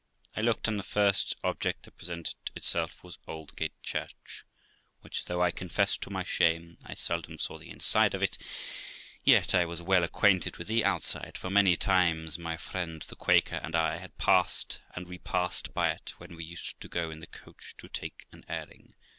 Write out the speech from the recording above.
I looked, and the first object that presented itself was Aldgate Church, which, though I confess to my shame, I seldom saw the inside of it, yet I was well acquainted with the outside, for many times my friend the Quaker and I had passed and repassed by it when we used to go in the coach to take an airing.